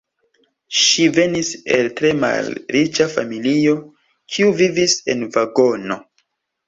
Ŝi venis el tre malriĉa familio kiu vivis en vagono.